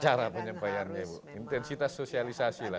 cara penyampaiannya ibu intensitas sosialisasi lah